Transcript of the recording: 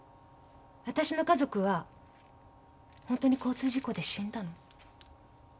あたしの家族は本当に交通事故で死んだの？